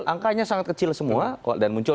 angkanya sangat kecil semua dan muncul